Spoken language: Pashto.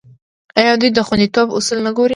آیا دوی د خوندیتوب اصول نه ګوري؟